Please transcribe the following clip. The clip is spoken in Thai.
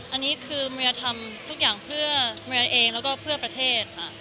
อันนี้คือเมียทำทุกอย่างเพื่อเมียเองแล้วก็เพื่อประเทศค่ะ